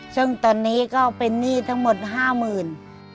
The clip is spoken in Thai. ซึ่งตอนนี้ก็เป็นหนี้ทั้งหมด๕๐๐๐บาท